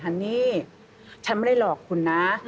ันนี่ฉันไม่ได้หลอกคุณนะ